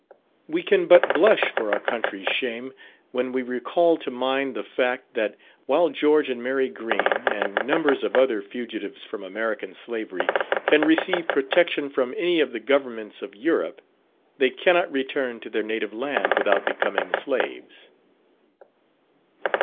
We can but blush for our country's shame, when we recall to mind the fact, that while George and Mary Green, and numbers of other fugitives from American slavery, can receive protection from any of the Governments of Europe, they cannot return to their native land without becoming slaves.